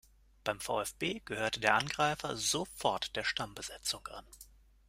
Beim VfB gehörte der Angreifer sofort der Stammbesetzung an.